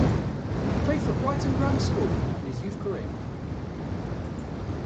He Played for Brighton Grammar School in his youth career.